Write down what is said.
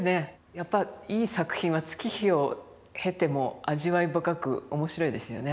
やっぱりいい作品は月日を経ても味わい深く面白いですよね。